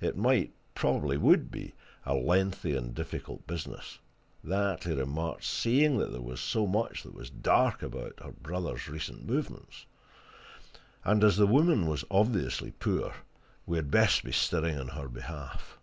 It might probably would be a lengthy and a difficult business that, he remarked, seeing that there was so much that was dark about her brother's recent movements; and as the woman was obviously poor, we had best be stirring on her behalf.